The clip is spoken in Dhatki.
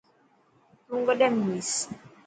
تون ڪڏين مليس.